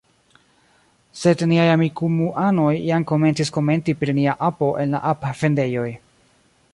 Sed niaj Amikumu-anoj jam komencis komenti pri nia apo en la ap-vendejoj.